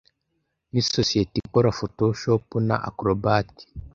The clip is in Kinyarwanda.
Nisosiyete ikora Photoshop na Acrobat